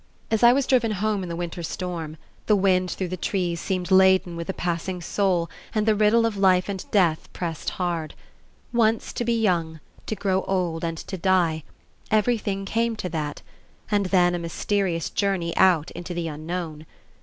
As I was driven home in the winter storm, the wind through the trees seemed laden with a passing soul and the riddle of life and death pressed hard; once to be young, to grow old and to die, everything came to that, and then a mysterious journey out into the Unknown.